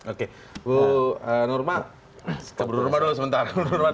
oke bu nurma bu nurma dulu sebentar